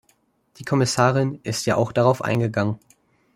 Die Kommissarin ist ja auch darauf eingegangen.